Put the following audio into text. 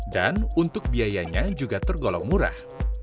dan untuk biayanya juga tergolong murah